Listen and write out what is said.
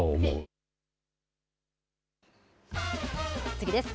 次です。